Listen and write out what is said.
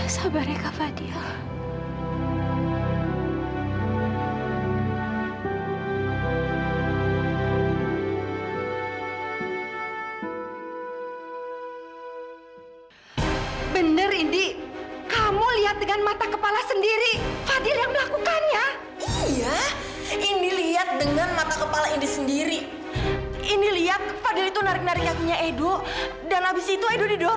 sampai jumpa di video selanjutnya